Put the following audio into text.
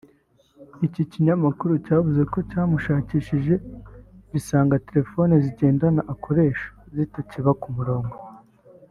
iki kinyamakuru cyavuze ko cyamushakishije gisanga telefone zigendanwa akoresha zitakiba ku murongo